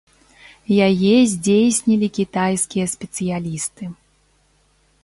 Яе здзейснілі кітайскія спецыялісты.